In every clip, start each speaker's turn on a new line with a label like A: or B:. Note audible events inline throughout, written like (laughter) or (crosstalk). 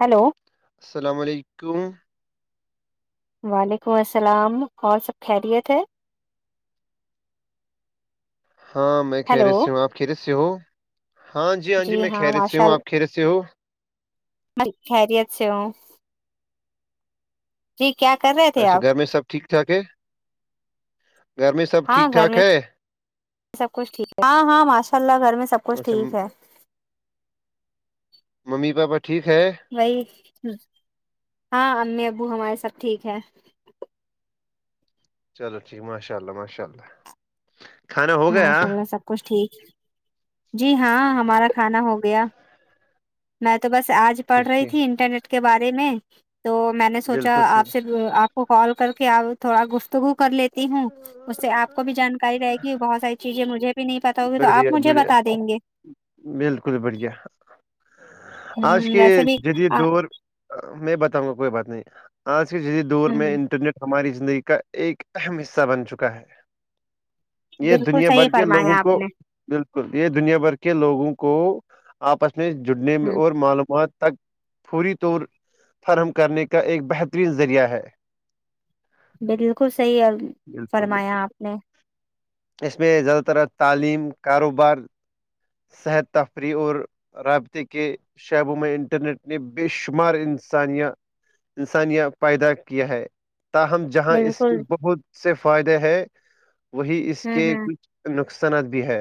A: hello
B: السلام علیکم
A: (unintelligible)
B: ہاں میں کہہ
A: ہیلو
B: رہ سے ہوں آپ کھیرت سے ہو ہاں جی ہاں جی میں کہری سے ہوں آپ کھیرت سے ہو
A: (inaudible) ب خیریا سے ا جی کیا کر رہے ہیں
B: اچھا گھر میں سب ٹھیک ٹھاک ہے گھر میں سب
A: ہاں
B: ٹھیک
A: گھر
B: ٹھاک
A: میں
B: ہے
A: سب کچھ ٹھیک ہاں ہاں ماشاء اللہ گھر میں سب کچھ
B: اچھا م-
A: ٹھیک ہے (inaudible)
B: ممی پاپا ٹھیک ہے
A: وہی ہاں امی ابو ہمارے سب ٹھیک ہے
B: چلو ٹھیک ماشاء اللہ ماشاء اللہ کھانا ہو گیا
A: ماشاء اللہ سب کچھ ٹھیک جی ہاں ہمارا کھانا ہو گیا میں تو بس آج پڑھ
B: ٹھیک
A: رہی
B: ٹھیک
A: تھی انٹرنیٹ کے بارے میں تو میں نے سوچا
B: بالکل
A: آپ سے
B: صحیح
A: آپ کو کال کر کے آپ تھوڑا گفتگو کر لیتے تی ہوں اس سے آ کو بھی جان ج بہت ساری چیزیں مجھے بھی نہیں پتتا ہوگی تو آپ
B: بڑھیا
A: مجھے
B: بڑھیا
A: بتا دیں گے
B: بالکل بڑھیا
A: ہ
B: آج کے
A: ویسے بھی
B: جدید
A: ہ
B: دور میں بتاؤں گا کوئی بات نہیں آج کے جسی دور میں انٹرنیٹ ہماری زندگی کا ایک اہم حصہ بن چکا ہے یہ
A: بالکل
B: دنیا
A: صحیح
B: بھر کے لوگوں
A: فرمایا آپ
B: کو
A: نے
B: بالکل یہ دنیا بھر کے لوگوں کو آپس میں جڑنے میں
A: ہ
B: اور معلومات تک پوری طور فرہم کرنے کا ایک بہترین ذریعہ ہے
A: بالکل صحیح ہے
B: بالکل
A: فرمایا
B: بالکل
A: آپ نے
B: اس میں زیادہ تر تعلیم کاروبار صحت تفریح اور رابطے کے شعبوں میں انٹرنیٹ ن بے شمار انسانیا انسانیہ پیدا کیا ہے تاہم جہاں اس کے
A: بالکل
B: بہت سے فائدے ہیں وہی اس
A: ہ
B: کے
A: ہ
B: کچھ نقصانات بھی ہے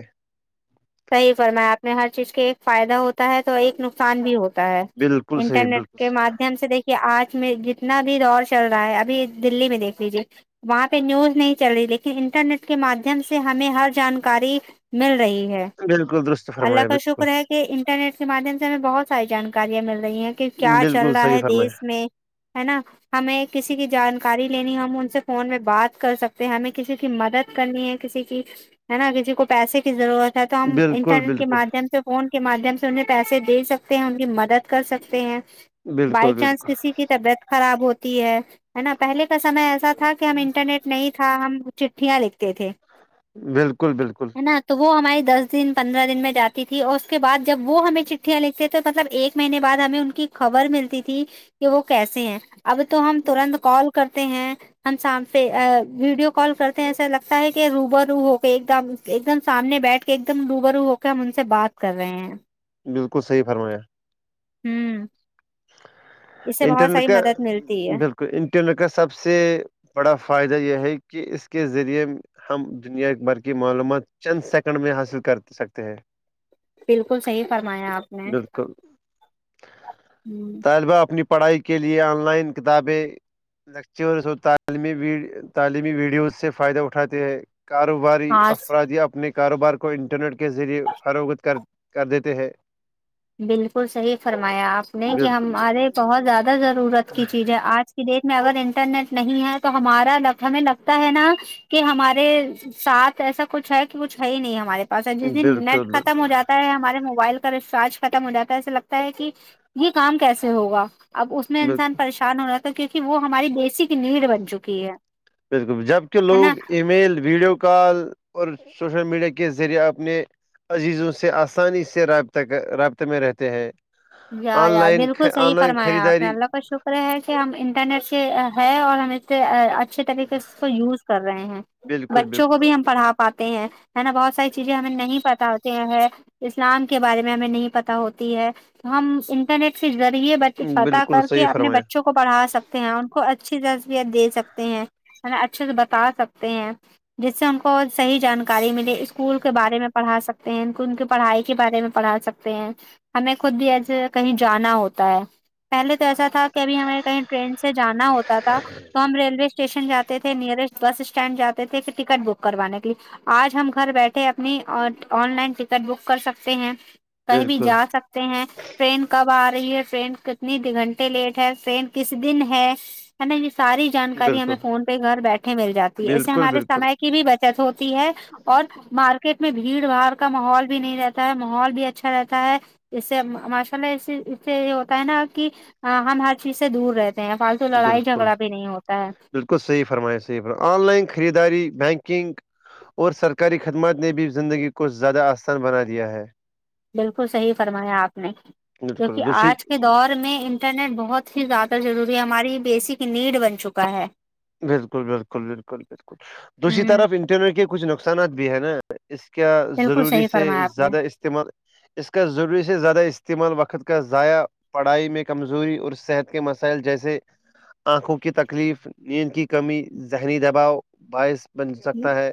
A: صحیح فرما آپ نے ہر چیز کے فائدہ ہوتا ہے تو ایک نقصان بھی ہوتا ہے
B: بالکل صحیح
A: انٹرنیٹ
B: بالکل
A: کے ماد ہم سے دیکھیے آج میں جتنا بھی دور چل رہا ہے ابھی دللی میں دیکھ لیجیے وہاں پہ نیوز نہیں چل رہی لیکن انٹرنیٹ کے مادھیم سے ہمیں ہر جانکاری مل رہی ہے
B: بالکل دست
A: اللہ کا شکر ہے کہ انٹرنیٹ کے مادھیم سے ہمیں بہت ساری جانکاریاں مل رہی ہیں کہ کیا چل
B: بالکل
A: رہا
B: صحیح
A: ہے
B: فرمایا
A: دیس میں ہے نا ہمیں کسی کی جانکاری لینی ہم ان سے فون میں بات کر سکتے ہیں ہمیں کسی کی مدد کرنی ہے کسی کی ہے نا کسی کو پیسے کی ضرورت ہے تو ہم
B: بالکل
A: انٹرنیٹ کے
B: بالکل
A: مادھیم سے فون کے مادھیم سے انہیں پیسے دے سکتے ہیں ان کی مدد کر سکتے ہیں
B: بالکل
A: بائی چانس
B: بالکل
A: کسی کی طبیعت خراب ہوتی ہے ہے نا پہلے کا سمے ایسا تھا کہ ہم انٹرنیٹ نہیں تھا ہم چٹھیاں لکھتے تھے
B: بالکل بالکل
A: ہے نا تو وہ ہماراری دس دن پندرہ دن میں جاتی تھی اور اس کے بع جب وہ ہمیں چٹھیاں لکھتے تھ تو مطلب ایک مہینے بعد ہمیں ان کی خبر ملتی تھی کہ وہ کیسے ہیں اب تو ہم ترنت کال کرتے ہیں ہم سام سے ویڈیو کال کرتے ہیں ایسا لگتا ہے کہ روبا رو ہو کے ایک دم ایک دم سامنے بیٹھ ایک دم روبرو ہو کے ہم ان سے بات کر رہے ہیں
B: بالکل صحیح فرمایا
A: ہوں (unintelligible) اس سے بہت
B: انٹرنیٹ
A: ساری
B: کا
A: مدد ملتی ہے
B: بالکل (unintelligible) تو انٹرنیٹ کا سب سے بڑا فائدہ یہ ہے کہ اس کے ذریعے ہم دنیا ایک برقی معلومات چند سیکنڈ میں حاصل کر سکتے ہیں
A: بالکل صحیح فرمایا آپ نے
B: بالکل
A: ہ
B: طلبہ اپنی پڑھائی کے لیے آن لائن کتابیں (unintelligible) لیکچرع تعلیمی ویڈیو سے فائدہ اٹھاتے ہیں کار کوباری
A: ہاں
B: افرادیا اپنے کاروبار کو انٹرنیٹ کے ذریعے فروغت کر کر دیتے ہیں
A: بالکل صحیح فرمایا آپ نے کہ
B: بالکل
A: ہمارے بہت زیادہ ضرورت کی چیزیں آج ڈیٹ میں اگر انٹرنیٹ نہیں ہے تو ہمارا ہمیں لگتا ہے نا کہ ہمارے ساتھ ایسا کچھ ہے کہ کچھ ہے ہی نہیں ہمارے جسن
B: بالکل
A: نیٹ ختم
B: بالکل
A: ہو جاتا ہے ہمارے موبائل کا ریچارج ختم ہو جاتا ہے ایسا لگتا ہے کہ یہ کام کیسے ہوگا اب اس میں انسان
B: بالکل
A: پریش ان ہو رہ تھا کیونکہ وہ ہماری بیسک نیڈ بن چکی ہے
B: جبکہ
A: ہے
B: لوگ
A: نا
B: ای میل ویڈیو کال اور سوشل میڈیا کے ذریعہ اپنے عزیزوں سے آسانی سے رابطہ رابطے میں رہتے ہیں
A: ی
B: آن
A: یار
B: لائن
A: بالکل صحیح
B: آن لائن
A: فرمایا آپ نے
B: خریداری
A: اللہ کا شکر ے ہیں کہ ہم انٹرنیٹ سے ہے اور ہمیں (unintelligible) اچھے طریقے سے کو یوز کر رہے ہیں
B: بالکل
A: بچوں کو
B: بالکل
A: بھی ہم پڑا پاتے ہیں ہے نا بہت ساری چیزیں ہمیں نہیں پت ہوتے ہے اسلام کے بارے میں ہمیں نہیں پتا ہوتی ہے ہم انٹرنیٹ کے ذریعے ب پتا
B: بالکل
A: کر کے
B: صحیح
A: اپنے
B: فرمایا
A: بچوں کو کو پڑھا سکتے ہیں ان کو اچھی تصبیت دے سکتے ہیں اچھے سے بتا سکتے ہیں جس سے ان کو صحی جانکاری ملے اسکول کے بارے میں پڑھا سکتے ہیں ان کی پڑھائی کے بارے میں پڑھا سکتے پینس (unintelligible) خود بھی ایسے کہیں جانا ہوتا ہے پہلے تو ایسا تھا کہبھی ہمیں کہیں ٹرین سے جانا ہوتا تھا تو ہم ریلوے اسٹیشن جاتے تھے نیرسٹ بس اسٹینڈ جاتے تھے کہ ٹکٹ بک کروانے کے لیے آج ہم گھر بیٹھے آ نی آن لائن ٹکٹ بک کر سکتے ہیں کہیں بھی
B: بالکل
A: جا سک ہیں ٹرین کب آ رہی ہے ٹرین کتنی گھنٹے لیٹ ہے ٹرین کس دن ہے ہے نا یہ ساری جانکاری ہمیں
B: بالکل
A: فون پہ گھر بیٹھے مل جاتی ہے ایسے
B: بالکل
A: ہمارے
B: بالکل
A: سمے کی بھی بچت ہوتی ہے (unintelligible) اور مارکیٹ میں بھیڑ باڑ کا ماحول بھی نہیں رہتا ہے ماحول بھی اچھا رہتا ہے اس سے ماشاء اللہ اس اس سے یہ ہوتا ہے نا کہ ہم ہر چیز سے دور رہتے ہیں فال
B: بالکل بالکل صحیح فرما صحیح فرما آن لائن خریداری بینکنگ اور سرکاری خدمات نے بھی زندگی کو زیادہ آسان بنا دیا ہے
A: بالکل صحیح فرمایا آپ نے کیونکہ
B: بالکل دوسری
A: آج کے دور میں ان انٹرنیٹ بہت ہی زیادہ ضروری ہے ہماری بیسک نیڈ بن چکا ہے
B: بالکل بالکل بالکل بالکل دوسری
A: ہ
B: طرف انٹرنیٹ کے کچھ نقصانات بھی ہے نا اس کا
A: بالکل
B: ضروری
A: صحیح
B: سے
A: فرمایا آپ
B: زیادہ
A: نے
B: استعمال (unintelligible) اس کا ضروری سے زیادہ استعمال وقت کا ضائع پڑھائی میں کمزوری اور صحت کے مسائل جیسے آنکھوں کی تکلیف نیند کی کمی ذہنی دباؤ باعث بن سکتا ہے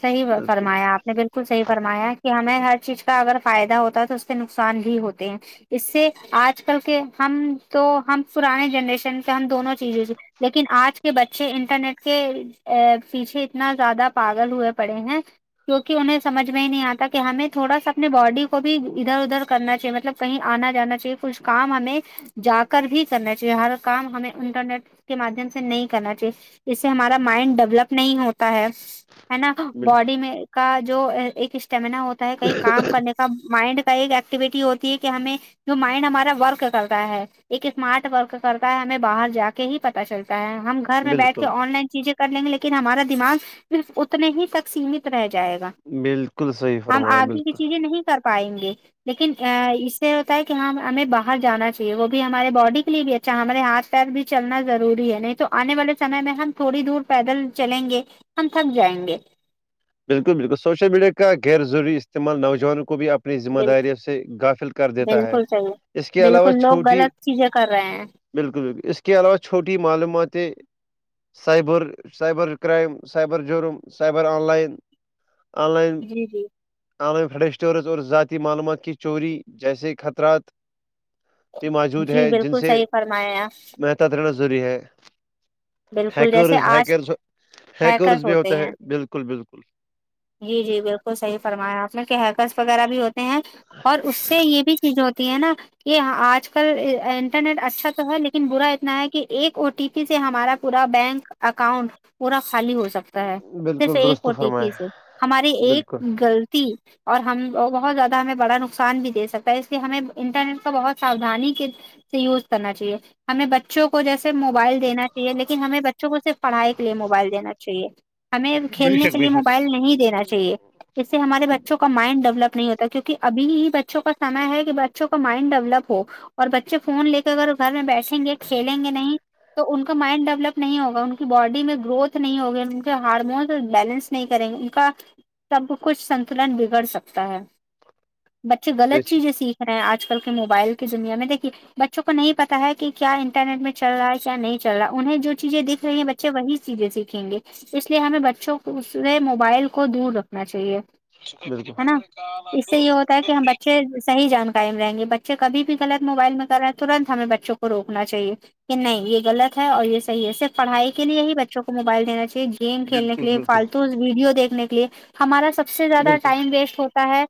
A: صحیح
B: بالکل
A: فرمایا آپ نے بالکل بالکل صحی فرمایا کہ ہمیں ہر چیز کا اگر فائدہ ہوتا ہے تو اس سے نقصان بھی ہوتے ہیں اس سے آج کل کے ہم تو ہم پرانے جنریشن کے ہم دونوں چیزوں سے لیکن آج کے بچے انٹرنیٹ کے (unintelligible) ا پیچھے اتنا زیادہ پاگل ہوئے پڑے ہیں کیوںکہ انہیں سمجھ میں ہی نہیں آتا کہ ہمیں تھوڑا سا اپنے باڈی کو بھی ادھر ادھر کرنا چاہیے مطلب کہیں آنا جانا چاہیے کچھ کام ہمیں جا کر بھی کرنا چاہیے ہر کام ہمیں انٹرنیٹ کے مادھیم سے نہیں کرنا چاہیے اس سے ہمارا مائنڈ ڈولپ نہیں ہوتا ہے ہے نا
B: بالکل
A: باڈی میں کا جو ایک اسٹیمناا ہوتا کہیں کام کرنے کا مائنڈ کا ایک ایکٹیوٹی ہوتی ہے کہ ہمیں جو مائنڈ ہمارا ورک کر رہا ہے ایک اسمارٹ ورک کرتا ہے ہمیں باہر جا کے ہی پت چلتا ہے ہم گھر میں بیٹھ
B: بالکل
A: کے آن لائن چیزیں کر لیں گے لیکن ہمارا دماغ صرف اتنے ہی تک سیمت رہ جائے گا
B: بالکل صحیح
A: ہم
B: فرمایا
A: آگے کی
B: بالکل
A: چیزیں نہیں کر پائیں گے لیکن ا اس سے ہوتا ہے کہ ہم ہمیں باہر جانا چاہیے وہ بھی ہمارے باڈی کے لیے بھی اا ہمارے ہاتھ پیر بھی چلنا ضروری ہے نہیں تو آنے والے سے میں ہم تھوڑی دور پیدل چلیں گے ہم تھک جائیں گے
B: بالکل بالکل سوشل میڈیا کا غیر ضروری استعمال نوجوانوں کو بھی اپنی ذمہ
A: گے
B: داریوں سے افل کر دیتا ہے
A: بالکل صحیح
B: اس کے علاوہ
A: بالکل لوگ
B: چھوٹی
A: غلط چیزیں کر رہے ہیں
B: بالکل بالکل اس کے علاوہ چھوٹی معلوماتیں سائبر سائبر کررائم سائبر جرم cyber online online
A: جی جی
B: آن لائن فڈ اسٹورز اور ذاتی معلومات کی چوری جیسے خطرات بھی موجود ہے
A: جی
B: جن
A: بالکل
B: سے
A: صحیح فرمایا آپ،
B: محتط رہنا ضروری ہے (unintelligible)
A: بالکل جیسے
B: ہیکرز
A: آج
B: ہیکرز ہیکرز
A: ہیکرس
B: بھی
A: ہوتے
B: ہوتا ہے
A: ہیں
B: بالکل بالکل
A: جی جی بالکل صحیح فرمایا آپ نے کہ ہیکرس وغیرہ بھی ہوتے ہیں اور اس سے یہ بھی چیز ہوتی ہے نا یہ آج کل انٹرنیٹ اچھا تو ہے لیکن برا اتنا ہے کہ ایک او ٹی پی سے ہمارا پورا بینک اکاؤنٹ پورا خالی ہو سکتا صرف
B: بالکل
A: ایک
B: درست
A: او ٹی
B: فرمایا
A: پی سے ہماری ایک
B: بالکل
A: لط اور ہم وہ بہت زیادہ ہمیں بڑا نقصان بھی دے سکتا ہے اس لیے ہمیں انٹرنیٹ کا بہت سادانی کے یوز کرنا چاہیے ہمیں بچوں کو جیسے موبائل دینا چاہیے لیکن ہمیں بچوں کو صرف پڑھائی کے لیے موبائل دین چاہے ہمیں
B: بے
A: کھیلنے
B: شک
A: کے
B: بے
A: لیے
B: شک
A: موبائل نہیں دا چاہیے چاہیے (inaudible) اس سے ہمارے بچوں کا مائنڈ ڈیولپ نہیں ہوتا کیوںک ابھی ہی بچوں کام ہے کہ بچوں کا مائنڈ ڈیولپ ہو اور بچے فون لے کے اگر گھر میں بیٹھیں گے کھیلیں گے نہیں تو ان کا مائنڈ ڈب ڈب نہیں ہوگا ان کی باڈی میں گروت نہیں ہوگی ان کے ہارمونس بیلنس نہیں کریں گے ان کا سب کچھ سنتلن بگڑ سکتا ہے بچے
B: بے
A: غلط چیزیں سیکھ ہیں آج کل کے موبائل کی دنیا میں دیکھیے بچوں کو نہیں پتا ہے کہ کیا انٹرنیٹ میں چل رہا ہے کیا نہیں چل رہا انہیں جو چیزیں دیکھ رہی ہیں بچے وہی چیزیں سیکھیں گے تو اس لیے ہمیں بچوں کوے موبائل کو دور رکھنا چاہیے
B: شک، بالکل
A: ہے نا اس سے یہ ہوتا ہے کہ ہم بچے صحیح جان ائم رہیں گے بچے کھی بھی غلط موبائل میں رہ ہیں ترنت ہمیں بچوں کو روکنا چاہے کہ نہیں یہ لط ہے اور یہ صحی صرف پڑھائی کے لیے ہی بچوں کو موبائل دا چاہیے گیم
B: بالکل
A: کھیلنے کےے
B: بالکل
A: فالتو ویڈیو دیکھنے کے لیے ہمارا سب سے زیادہ
B: بالکل
A: ٹائم ویسٹ ہوتا ہے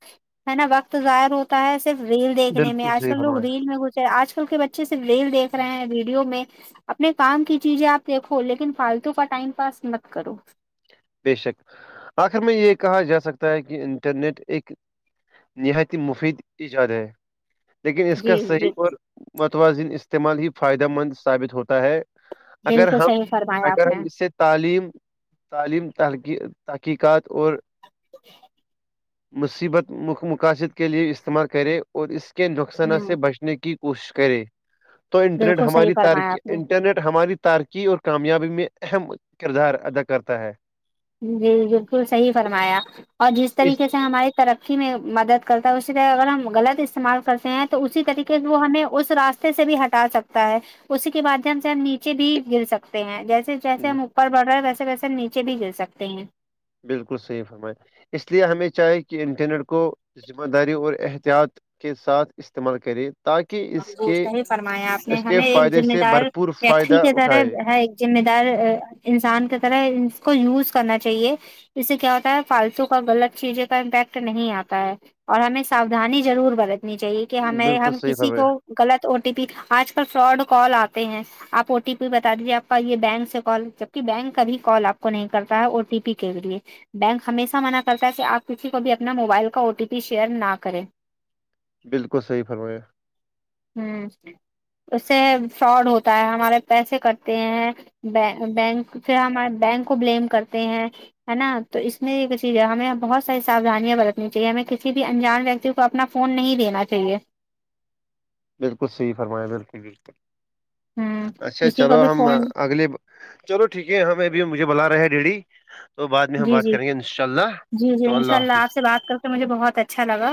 A: ہے نا وقت ظاہر ہوتا ہے صرف ریل دیکھنے میں
B: بالکل
A: آج
B: صحیح
A: کل لوگ
B: فرمایا
A: ریل میں گ آج کل کے بچے صرف ریل دیکھ رہے ہیں ویڈیو میں اپنے کام کی چیزیں آپ دیکھو لیکن فالتو کا ٹائم پاس مت کرو
B: بشک آخر میں یہ کہا جا سکتا ہے کہ انٹرنیٹ ایک نہایت ہی مفید ایجاد ہے لیکن اس کا
A: جی جی
B: صحیح اور متوازن استعمال ہی فائدہ مند ثابت ہوتا ہے اگر
A: بالکل
B: ہم
A: صحیح فرمایا آپ
B: اگر
A: نے
B: ہم اس سے تعلیم تعلیم تقی تحقیقات اور مصیبت م مقاصد کے لیے استعمال کرے اور اس کے نقصانات
A: ہوں
B: سے بچنے کی کوشش کرے تو انٹرنیٹ
A: بالکل صحیح
B: ہماری
A: فرمایا
B: تی
A: آپ نے
B: انٹرنیٹ ہماری تارکی اور کامیابی میں اہم کردار ادا کرتا ہے
A: جی بالکل صحیح فرمایا اور جس طریقے سے ہماری ترقی ہی میں مدد کرتا ہے اسی طرح اگر ہم غلط استعمال کرتے ہیں تو اسی طریقے سے وہ ہمیں اس راستے سے بھی ہٹا سکتا ہے اسی کے مادھیم سے ہم نیچے بھی گر سکتے ہیں جیسے جیسے
B: اس
A: ہم اوپر بڑ رہے ہیں ویسے ویسے نیچے بھی گل سکتے ہیں
B: بالکل صحیح فرمائے اس لیے ہمیں چاہے کہ انٹرنیٹ کو ذمہ داری اور احتیاط کے ساتھ استعمال کرے تاکہ اس کے
A: صحی فرمایا آپ نے
B: اس کے
A: ہمیں ایک
B: فائدے
A: ذمہ
B: سے
A: دار
B: بھرپور
A: ویکری
B: فائدہ
A: کی طرح
B: اٹھائے
A: ہے ذمہ دار انسان کی طرح اس کو یوز کرنا چاہیے اس سے کیا ہوتا ہے فالتو کا غلط چیزیں کا امپیکٹ نہیں آتا ہے اور ہمیں ساودھانی ضرور برتنی چاہیے کہ ہمیں
B: بالکل
A: ہم
B: صحیح
A: کسی
B: فرمایا
A: کو غلط او ٹی پی آج کل فراڈ کال آتے ہیں آپ او ٹی پی بتا دیجیے آپ کا یہ بینک سے کال جبک بینک کا بھی کال آپ کو نہیں کرتا ہے او ٹی پی کے لیے بینک ہمیشہ منع کرتا ہے کہ آپ کسی کو بھی اپنا موبائل کا او ٹی پی شیئر نہ کریں
B: بالکل صحیح فرمایا
A: ہوں اس سے فراڈ ہوتا ہے ہمارے پیسے کٹتے ہیں بینک پھر ہمارے بینک کو بلیم کرتے ہیں ہے نا تو اس میں یہ چیز ہے ہمیں بہت ساری ساھانیاں برتنی چاہیے ہمیں کسی بھی انجان ویکتی کو تو اپنا فون نہیں دینا چاہیے
B: بالکل صحیح فرمایا بالکل بالکل
A: ہوں
B: اچھا
A: کسی کو
B: چلو
A: بھی
B: ہم
A: فون
B: اگلے چلو ٹھیک ہے ہمیں ابھی مجھے بلا رہے ہیں ڈیڈی تو بعد میں ہم
A: جی
B: بات
A: جی
B: کریں گے انشاء اللہ
A: جی جی
B: تو اللہ
A: انشاء آپ
B: حافظ
A: سے بات کر کے مجھے بہت اچھا لگا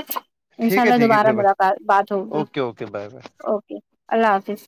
B: ٹھیک
A: انشاء
B: ہے
A: اللہ
B: ٹھیک ہے
A: دوبارہ
B: کوئی بات
A: ملاقات بات ہوگی
B: okay okay bye bye
A: okay اللہ حافظ